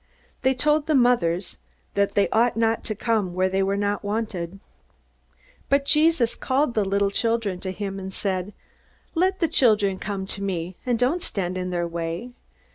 They told the mothers that they ought not to come where they were not wanted. But Jesus called the little children to him, and said: "Let the little children come to me, and don't stand in their way.